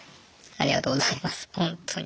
ありがとうございますほんとに。